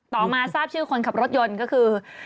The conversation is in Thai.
มาทราบชื่อคนขับรถยนต์ก็คือ